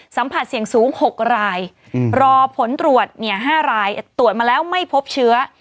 สัมผัสเสี่ยงสูง๖รายรอผลตรวจ๕รายตรวจมาแล้วไม่พบเชื้อ